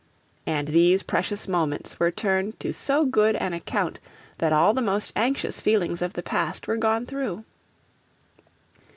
And these precious moments were turned to so good an account that all the most anxious feelings of the past were gone through.